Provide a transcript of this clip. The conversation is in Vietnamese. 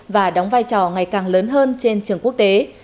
và đóng vai trò ngày càng lớn hơn trên trường quốc tế